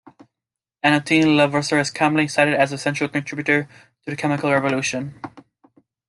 Antoine Lavoisier is commonly cited as a central contributor to the chemical revolution.